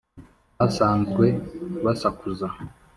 Basanzwe basakuza